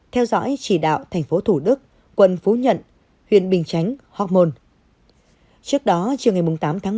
theo dõi trì đạo tp thủ đức quận phú nhận huyện bình chánh hoc mon trước đó chiều tám một mươi hai